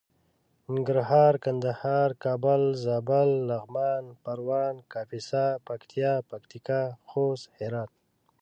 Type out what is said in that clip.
ننګرهار کندهار کابل زابل لغمان پروان کاپيسا پکتيا پکتيکا خوست هرات